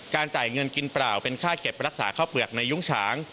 จ่ายเงินกินเปล่าเป็นค่าเก็บรักษาข้าวเปลือกในยุ้งฉาง